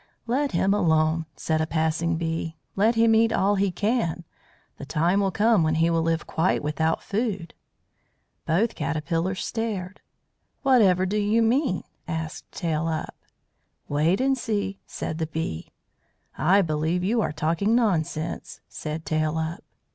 "Let him alone," said a passing bee. "Let him eat all he can. The time will come when he will live quite without food." Both caterpillars stared. "Whatever do you mean?" asked Tail up. "Wait and see," said the Bee. "I believe you are talking nonsense," said Tail up.